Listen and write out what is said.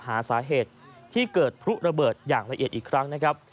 หาสาเหตุที่เกิดพลุระเบิดอย่างละเอียดอีกครั้งนะครับ